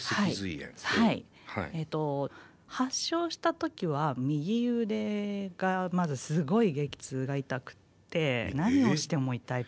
発症した時は右腕がまずすごい激痛が痛くて何をしても痛い。